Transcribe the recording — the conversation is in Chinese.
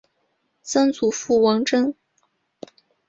曾祖父王珍。